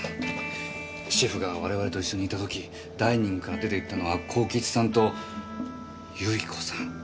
シェフが我々と一緒にいたときダイニングから出ていったのは幸吉さんとゆり子さん。